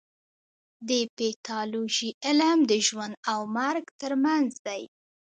د پیتالوژي علم د ژوند او مرګ ترمنځ دی.